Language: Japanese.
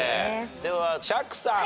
では釈さん。